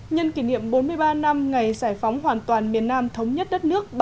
nhân kỷ niệm bốn mươi ba năm ngày giải phóng hoàn toàn miền nam thống nhất đất nước